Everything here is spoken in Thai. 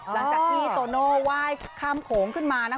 หลังจากที่โตโน่ไหว้ข้ามโขงขึ้นมา